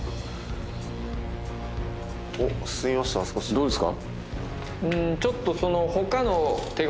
どうですか？